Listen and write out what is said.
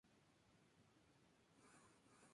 Vanessa firmó un contrato discográfico con Inc.